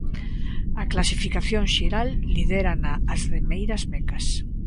A clasificación xeral lidérana as remeiras mecas.